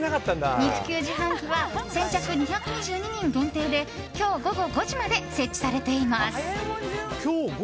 肉球自販機は先着２２２人限定で今日午後５時まで設置されています。